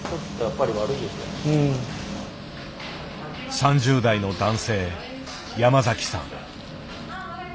３０代の男性山崎さん。